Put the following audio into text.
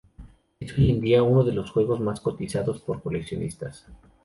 Es hoy en dia uno de los juegos mas cotizados por coleccionistas.